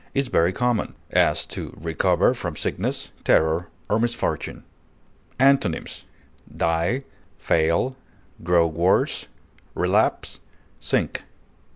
is very common; as, to recover from sickness, terror, or misfortune. Antonyms: die, fail, grow worse, relapse, sink.